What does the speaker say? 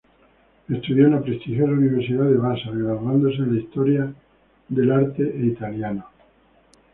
Estudió en la prestigiosa Universidad de Vassar, graduándose en Historia del Arte e Italiano.